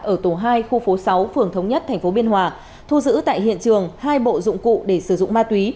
ở tổ hai khu phố sáu phường thống nhất tp biên hòa thu giữ tại hiện trường hai bộ dụng cụ để sử dụng ma túy